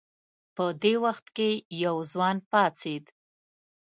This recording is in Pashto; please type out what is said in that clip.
په دې وخت کې یو ځوان پاڅېد.